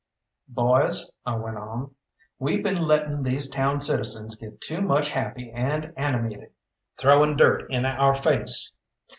"Boys," I went on, "we been letting these town citizens get too much happy and animated, throwing dirt in our face.